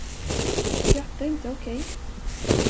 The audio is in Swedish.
Skratta inte, okej?